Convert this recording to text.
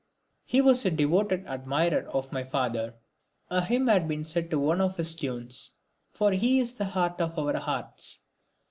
He was a devoted admirer of my father. A hymn had been set to one of his tunes, "For He is the heart of our hearts."